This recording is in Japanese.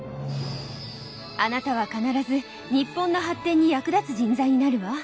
あなたは必ず日本の発展に役立つ人材になるわ。